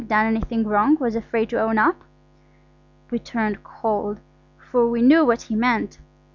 Done anything wrong, and afraid to own up?" We turned cold, for we knew what he meant.